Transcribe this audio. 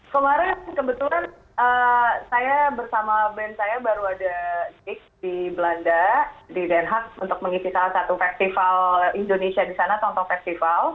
kemarin kebetulan saya bersama band saya baru ada di belanda di den haag untuk mengisi salah satu festival indonesia di sana tonto festival